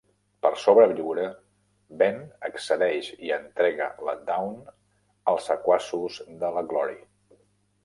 Per sobreviure, Ben accedeix i entrega la Dawn als sequaços de la Glory.